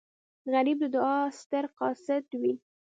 غریب د دعا ستر قاصد وي